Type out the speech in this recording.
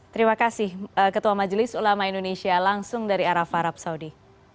terima kasih ketua majelis ulama indonesia langsung dari arafah arab saudi